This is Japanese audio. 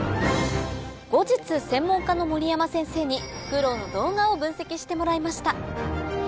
後日専門家の守山先生にフクロウの動画を分析してもらいました